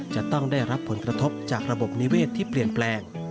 จะต้องได้รับผลกระทบจากระบบนิเวศที่เปลี่ยนแปลง